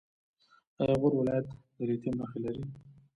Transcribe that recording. آیا غور ولایت د لیتیم نښې لري؟